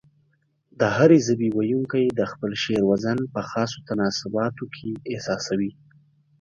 د هرې ژبې ويونکي د خپل شعر وزن په خاصو تناسباتو کې احساسوي.